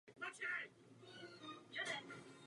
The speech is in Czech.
Kdo za těmito lidmi stojí?